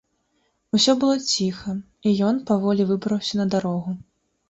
Усё было ціха, і ён паволі выбраўся на дарогу.